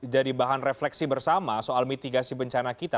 jadi bahan refleksi bersama soal mitigasi bencana kita